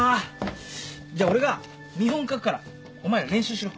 じゃ俺が見本書くからお前ら練習しろ。